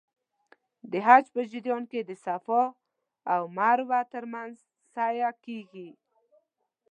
د حج په جریان کې د صفا او مروه ترمنځ سعی کېږي.